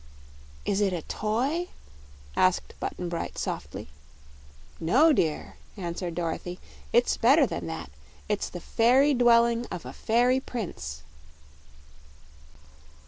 "Is it a toy?" asked Button Bright softly. "No, dear," answered Dorothy; "it's better than that. It's the fairy dwelling of a fairy prince."